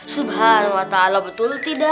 subhanahu wa ta'ala betul tidak